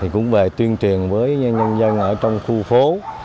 cũng về tuyên truyền với nhân dân ở trong khu phố